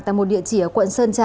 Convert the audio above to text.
tại một địa chỉ ở quận sơn trà